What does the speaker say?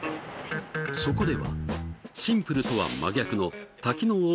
そこではシンプルとは真逆の多機能